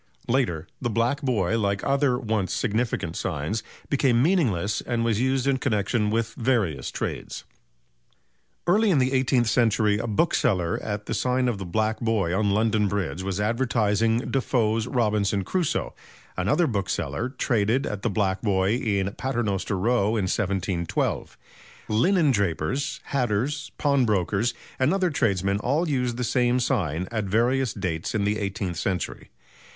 Later, the "Black Boy," like other once significant signs, became meaningless and was used in connexion with various trades. Early in the eighteenth century a bookseller at the sign of the "Black Boy" on London Bridge was advertising Defoe's "Robinson Crusoe"; another bookseller traded at the "Black Boy" in Paternoster Row in 1712. Linendrapers, hatters, pawnbrokers and other tradesmen all used the same sign at various dates in the eighteenth century.